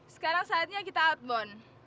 sekarang saatnya kita outbound